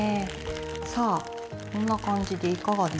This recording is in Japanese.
さあこんな感じでいかがでしょうか。